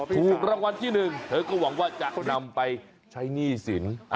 ถูกรางวัลที่๑เธอก็หวังว่าจะนำไปใช้หนี้สิน